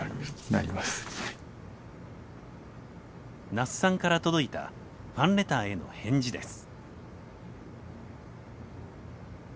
那須さんから届いたファンレターへの返事です。